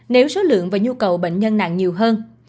nếu số lượng và nhu cầu bệnh nhân nặng nhiều hơn